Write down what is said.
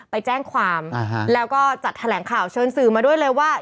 ไปแจ้งความแล้วก็จัดแถลงข่าวเชิญสื่อมาด้วยเลยว่า